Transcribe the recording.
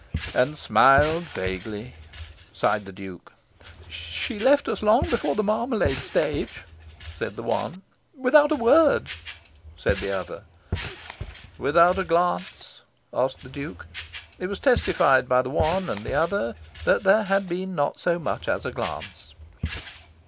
"And smiled vaguely," sighed the Duke. "She left us long before the marmalade stage," said the one. "Without a word," said the other. "Without a glance?" asked the Duke. It was testified by the one and the other that there had been not so much as a glance.